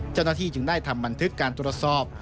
เจ้าหน้าที่จึงได้ทำบันทึกการตรวจสอบ